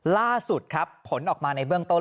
ล่าสุดครับผลออกมาในเบื้องต้น